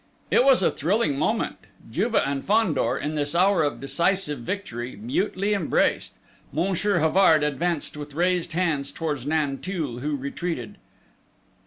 It was a thrilling moment! Juve and Fandor, in this hour of decisive victory, mutely embraced. Monsieur Havard advanced with raised hands towards Nanteuil who retreated.